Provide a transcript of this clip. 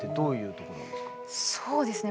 そうですね。